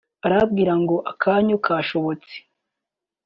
Arambwira ngo akanyu kashobotse